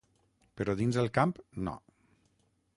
Però dins el camp, no.